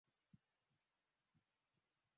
Ni kisiwa kinachopatikana katika bahari ya Hindi